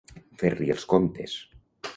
Fer-li els comptes.